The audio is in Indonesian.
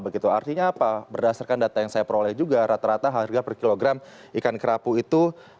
begitu artinya apa berdasarkan data yang saya peroleh juga rata rata harga per kilogram ikan kerapu itu